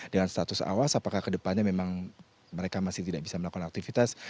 dengan status awas apakah kedepannya memang mereka masih tidak bisa melakukan aktivitas